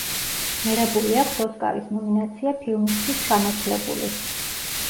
მიღებული აქვს ოსკარის ნომინაცია ფილმისთვის „ჩანაცვლებული“.